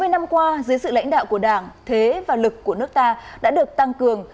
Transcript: sáu mươi năm qua dưới sự lãnh đạo của đảng thế và lực của nước ta đã được tăng cường